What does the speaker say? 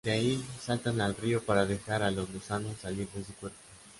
De ahí, saltan al río para dejar a los gusanos salir de su cuerpo.